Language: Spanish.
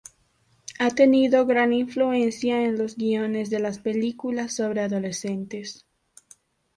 Ha tenido gran influencia en los guiones de las películas sobre adolescentes.